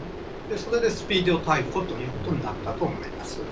それでスピード逮捕ということになったと思います。